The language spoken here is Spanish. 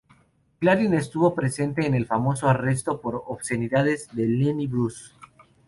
Carlin estuvo presente en el famoso arresto por obscenidades de Lenny Bruce.